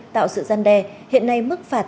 tạo sự gian đe hiện nay mức phạt